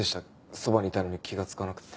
そばにいたのに気がつかなくて。